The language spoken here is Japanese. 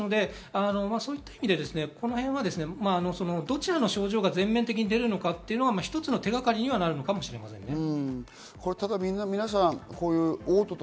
そういう意味でこの辺はどちらの症状が全面的に出るのかは一つの手がかりにはなるのかもしれません。